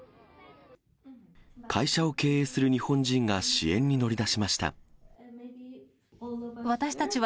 会社を経営する日本人が支援に乗り出しました。